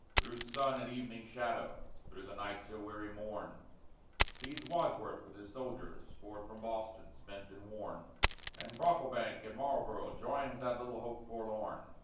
Through sun and evening shadow, through the night till weary morn, Speeds Wadsworth with his soldiers, forth from Boston, spent and worn, And Brocklebank at Marlboro' joins that little hope forlorn.